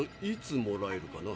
いつもらえるかな？